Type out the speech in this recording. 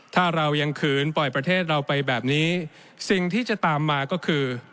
ถ้าเรายังขืนปล่อยประเทศเราไปแบบนี้สิ่งที่จะตามมาก็คือ